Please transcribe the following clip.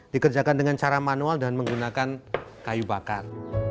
dikerjakan dengan cara manual dan menggunakan kayu bakar